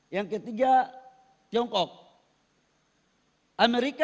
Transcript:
yang ketiga tiongkok